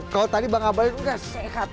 kalau tadi bang kabalin itu tidak sehat